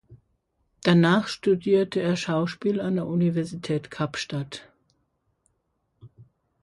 Danach studierte er Schauspiel an der Universität Kapstadt.